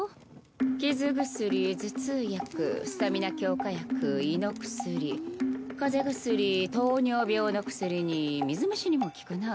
傷薬頭痛薬スタミナ強化薬胃の薬風邪薬糖尿病の薬に水虫にも効くな。